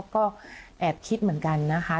ก็แอบคิดเหมือนกันนะคะ